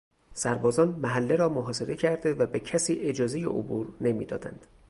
سربازان محله را محاصره کرده و به کسی اجازهی عبور نمیدادند.